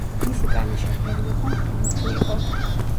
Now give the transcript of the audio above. მისი კანის შეფერილობა მუქი იყო.